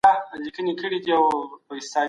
غير دولتي بنسټونه هم په سياسي چارو کې برخه اخلي.